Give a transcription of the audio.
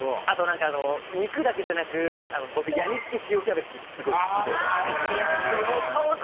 あと肉だけじゃなく僕やみつき塩キャベツがすごい好きで。